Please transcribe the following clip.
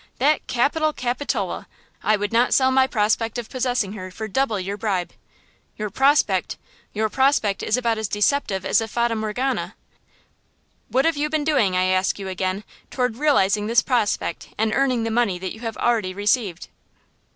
that capital Capitola! I would not sell my prospect of possessing her for double your bribe." "Your 'prospect!' Your prospect is about as deceptive as a fata morgana! What have you been doing, I ask you again, toward realizing this prospect and earning the money you have already received?"